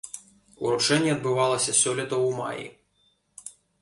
Уручэнне адбывалася сёлета ў маі.